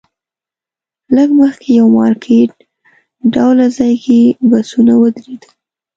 لږ مخکې یو مارکیټ ډوله ځای کې بسونه ودرېدل.